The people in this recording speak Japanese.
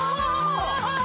ハハハハ。